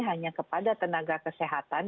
hanya kepada tenaga kesehatan